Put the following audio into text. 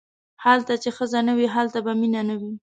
هلته چې ښځه نه وي هلته به مینه نه وي.